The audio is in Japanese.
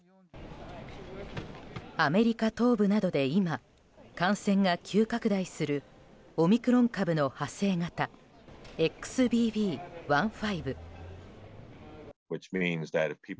アメリカ東部などで今、感染が急拡大するオミクロン株の派生型ＸＢＢ．１．５。